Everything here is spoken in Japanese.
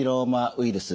ウイルス？